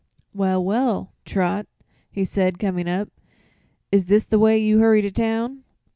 "Well, well, Trot," he said, coming up, "is this the way you hurry to town?"